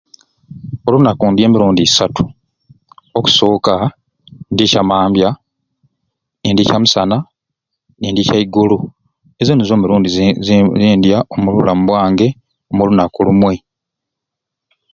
Olunaku ndya emirundi isatu. Okusooka ndya ekyamambya ni ndya ekyamisana ni ndya ekyaigolo ezo nizo mirundi ze ze ze zendya omu bulamu bwange mu lunaku lumwe.